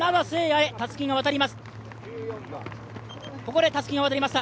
弥へたすきが渡ります。